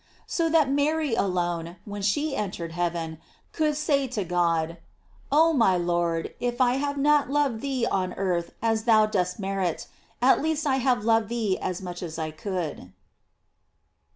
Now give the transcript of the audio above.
So that Mary alone, when she entered heaven, could say to God: Oh my Lord, if I have not loved thee on earth as thou dost merit, at least I have loved thee as much as I could.